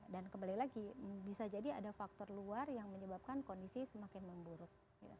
dan kembali lagi bisa jadi ada faktor luar yang menyebabkan kondisi semakin memburuk